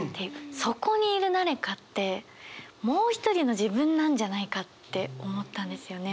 「そこにいる誰か」ってもう一人の自分なんじゃないかって思ったんですよね。